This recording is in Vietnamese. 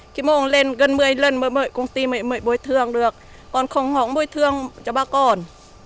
khi bà con lên gần một mươi lần mới mời công ty mới mời bồi thương được còn không hỏi bồi thương cho bà con